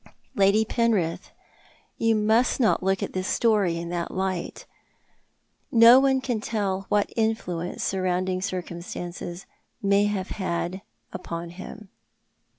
" Lady Peurith, you must not look at this story in that light. No one can tell what influence surrounding circumstances may have had upon hitn.